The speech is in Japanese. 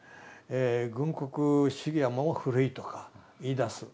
軍国主義はもう古いとか言いだす。